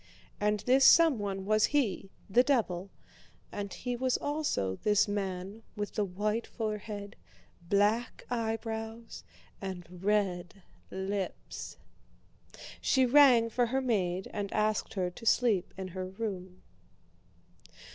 And this someone was he—the devil—and he was also this man with the white forehead, black eyebrows, and red lips. She rang for her maid and asked her to sleep in her room.